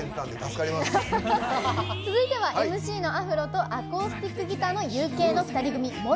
続いては、ＭＣのアフロとアコースティックギターのＵＫの２人組ＭＯＲＯＨＡ。